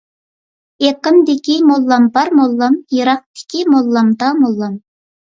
يېقىندىكى موللام بار موللام، يىراقتىكى موللام داموللام.